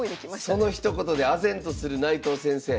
そのひと言であぜんとする内藤先生。